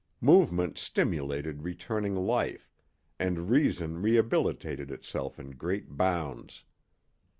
Movement stimulated returning life, and reason rehabilitated itself in great bounds.